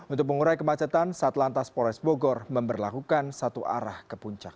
untuk mengurai kemacetan satlantas polres bogor memberlakukan satu arah ke puncak